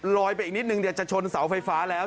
ลอยไปอีกนิดนึงจะชนเสาไฟฟ้าแล้ว